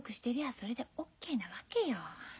それでＯＫなわけよ。